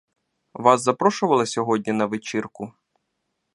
Вас запрошували сьогодні на вечірку?